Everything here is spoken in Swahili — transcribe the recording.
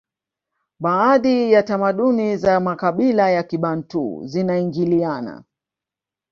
baadhi ya tamaduni za makabila ya kibantu zinaingiliana